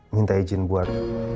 minta izin buat